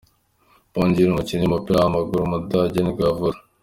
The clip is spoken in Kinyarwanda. Björn Dreyer, umukinnyi w’umupira w’amaguru w’umudage nibwo yavutse.